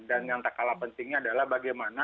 dan yang tak kalah pentingnya adalah bagaimana